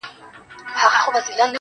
چي واکداران مو د سرونو په زاريو نه سي.